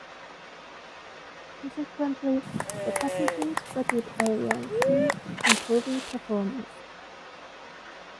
Consequently, the packings' wetted area increased, improving performance.